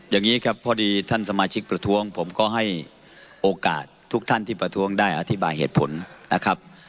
อย่างนี้ครับพอดีท่านสมาชิกประท้วงผมก็ให้โอกาสทุกท่านที่ประท้วงได้อธิบายเหตุผลนะครับ